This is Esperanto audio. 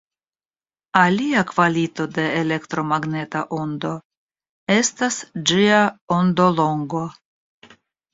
Alia kvalito de elektromagneta ondo estas ĝia ondolongo.